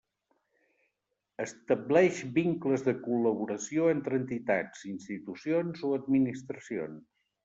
Estableix vincles de col·laboració entre entitats, institucions o administracions.